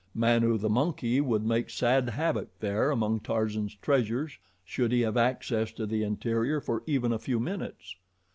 Manu, the monkey, would make sad havoc there among Tarzan's treasures should he have access to the interior for even a few minutes.